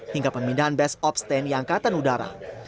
hingga pemindahan base of stand yang katan udara